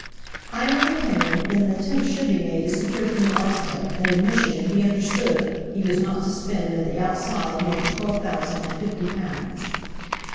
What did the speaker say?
I am of opinion that an attempt should be made to secure from the architect an admission that he understood he was not to spend at the outside more than twelve thousand and fifty pounds.